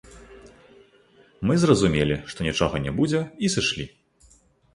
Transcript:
Мы зразумелі, што нічога не будзе, і сышлі.